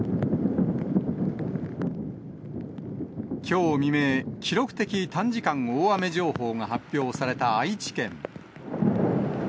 きょう未明、記録的短時間大雨情報が発表された愛知県。